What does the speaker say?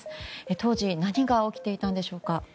当時何が起きていたんでしょうか？